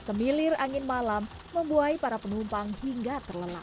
semilir angin malam membuai para penumpang hingga terlelap